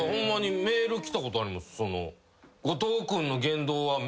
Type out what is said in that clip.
メール来たことあります。